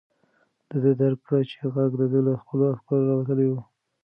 ده درک کړه چې غږ د ده له خپلو افکارو راوتلی و.